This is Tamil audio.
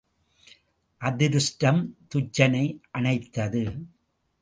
அதிருஷ்டம் துச்சனை அனைத்தது.